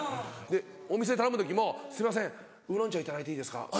お店で頼む時も「すいませんウーロン茶頂いていいですか」。